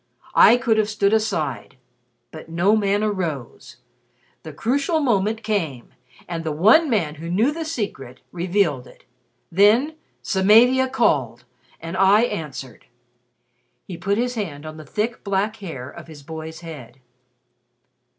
I could have stood aside. But no man arose. The crucial moment came and the one man who knew the secret, revealed it. Then Samavia called, and I answered." He put his hand on the thick, black hair of his boy's head.